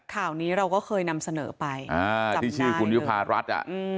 ข่าวนี้เราก็เคยนำเสนอไปจำได้เลยที่ชื่อคุณวิวพารัสอ่ะ